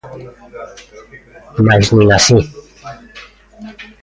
Mais nin así.